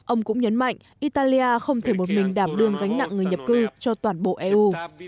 ông cũng nhấn mạnh italia không thể một mình đảm đương gánh nặng người nhập cư cho toàn bộ eu